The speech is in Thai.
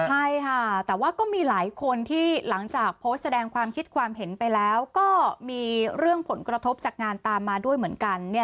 ใช่ค่ะแต่ว่าก็มีหลายคนที่หลังจากโพสต์แสดงความคิดความเห็นไปแล้วก็มีเรื่องผลกระทบจากงานตามมาด้วยเหมือนกัน